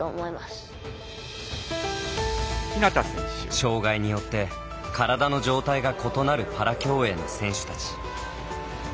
障がいによって体の状態が異なるパラ競泳の選手たち。